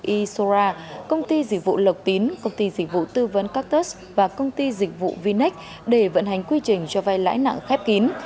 e sora công ty dịch vụ lợi tín công ty dịch vụ tư vấn cactus và công ty dịch vụ vinex để vận hành quy trình cho vai lãi nặng khép kín